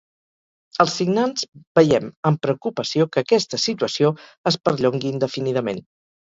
Els signants veiem amb preocupació que aquesta situació es perllongui indefinidament.